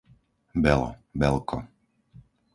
Belo, Belko